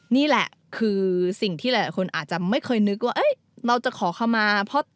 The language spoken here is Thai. นี่แหละคือสิ่งที่หลายคนอาจจะไม่เคยนึกว่าเราจะขอเข้ามา